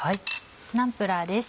ナンプラーです。